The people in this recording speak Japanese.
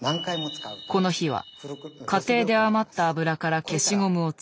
この日は家庭で余った油から消しゴムを作る。